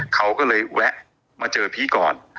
เขาก็เลยแวะมาเจอพี่ก่อน